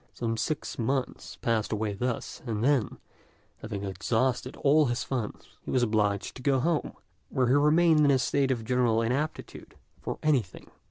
Some six months passed away thus, and then, having exhausted all his funds, he was obliged to go home, where he remained in a state of general inaptitude for anything.